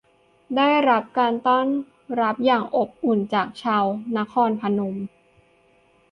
ได้รับการต้อนรับอย่างอบอุ่นจากชาวนครพนม